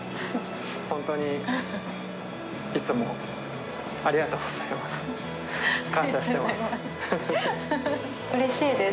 本当にいつもありがとうございます。感謝しています。